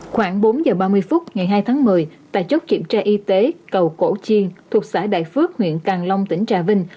khoảng bốn giờ ba mươi phút ngày hai tháng một mươi tại chốt kiểm tra y tế cầu cổ chiên thuộc xã đại phước huyện càng long tỉnh trà vinh